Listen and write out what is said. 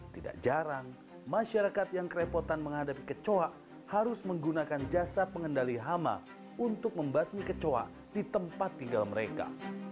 tidak jarang masyarakat yang kerepotan menghadapi kecoa harus menggunakan jasa pengendali hama untuk membasmi kecoa di tempat tinggal mereka